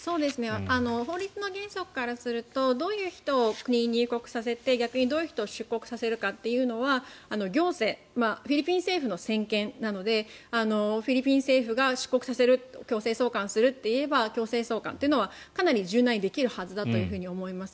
法律の原則からするとどういう人を国に入国させて逆にどういう人を出国させるかは行政、フィリピン政府の専権なのでフィリピン政府が出国させる強制送還させるといえば強制送還はかなり柔軟にできるはずだと思います。